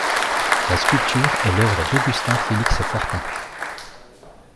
La sculpture est l'œuvre d'Augustin Félix Fortin.